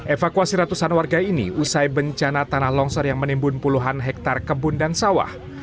evakuasi ratusan warga ini usai bencana tanah longsor yang menimbun puluhan hektare kebun dan sawah